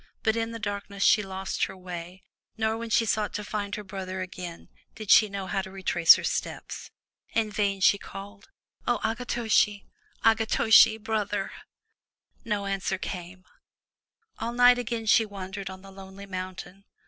But in the darkness, she lost her way, nor when she sought to find her brother again, did she know how to retrace her steps. In vain she called: "0 Akitoshi! Akitoshi! Brother!" 379 MY BOOK HOUSE No answer came. All night again she wandered on the lonely mountain.